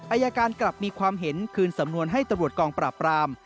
อายการกลับมีความเห็นคืนสำนวนให้ตำรวจกองปราบราม